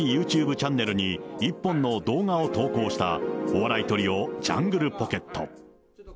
チャンネルに一本の動画を投稿したお笑いトリオ、ジャングルポケット。